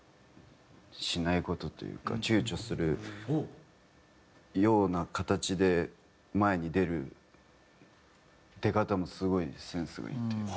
しない事というか躊躇するような形で前に出る出方もすごいセンスがいいというか。